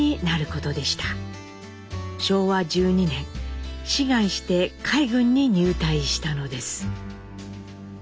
昭和１２年志願して海軍に入隊したのです。